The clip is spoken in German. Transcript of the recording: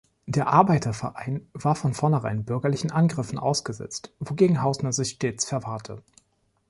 Der Arbeiterverein war von vornherein bürgerlichen Angriffen ausgesetzt, wogegen Haußner sich stets verwahrte.